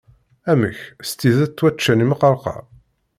Amek, s tidet ttwaččan imqerqar?